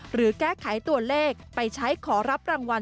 หรือแก้ไขตัวเลขไปใช้ขอรับรางวัล